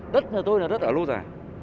đất nhà tôi là đất ở lô già